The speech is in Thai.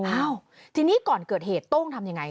อ้าวทีนี้ก่อนเกิดเหตุโต้งทำยังไง